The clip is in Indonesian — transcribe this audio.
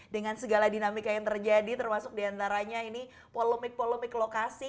dengan segala dinamika yang terjadi termasuk diantaranya ini polemik polemik lokasi